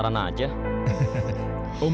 ku cousnya baru nggak serius